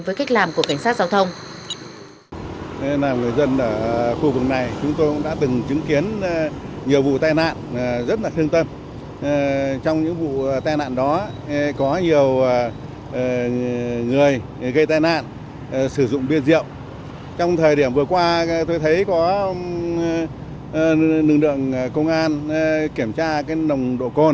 với cảnh sát giao thông